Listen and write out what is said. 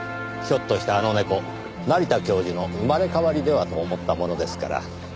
ひょっとしてあの猫成田教授の生まれ変わりではと思ったものですから。